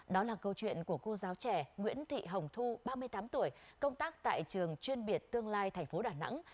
đó là câu chuyện của cô giáo trẻ nguyễn thị hồng thu ba mươi tám tuổi công tác tại trường chuyên biệt tương lai tp đà nẵng